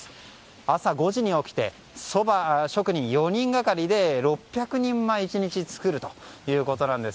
朝５時に起きてそば職人４人がかりで６００人前１日作るということです。